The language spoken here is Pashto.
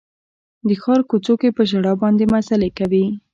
د ښار کوڅو کې په ژړا باندې مزلې کوي